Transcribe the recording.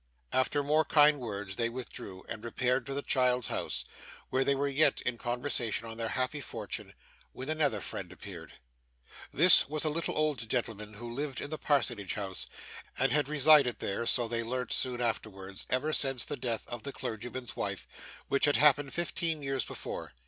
After more kind words, they withdrew, and repaired to the child's house; where they were yet in conversation on their happy fortune, when another friend appeared. This was a little old gentleman, who lived in the parsonage house, and had resided there (so they learnt soon afterwards) ever since the death of the clergyman's wife, which had happened fifteen years before.